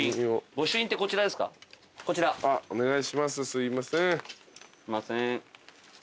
すいません。